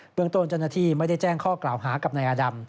เบื้องตนจนดังที่ไม่ได้แจ้งข้อกล่าวหากับนายอดำ